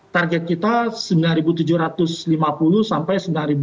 target kita sembilan ribu tujuh ratus lima puluh sampai sembilan ribu sembilan ratus lima puluh